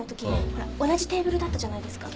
同じテーブルだったじゃないですか。